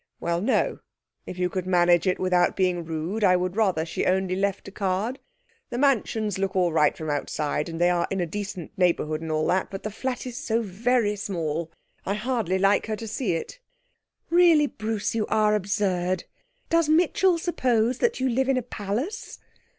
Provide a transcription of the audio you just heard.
'Well, no; if you could manage it without being rude, I would rather she only left a card. The Mansions look all right from outside, and they are in a decent neighbourhood and all that, but the flat is so very small. I hardly like her to see it.' 'Really, Bruce, you are absurd. Does Mitchell suppose that you live in a palace?'